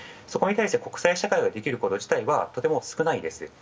そこに対して国際社会ができること自体はとても少ないです。